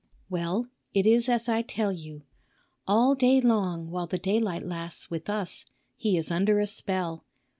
"Well, it is as I tell you. All day long while the daylight lasts with us he is under a spell.